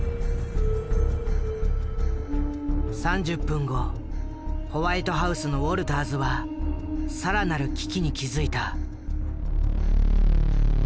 ３０分後ホワイトハウスのウォルターズは更なる危機に気付いた。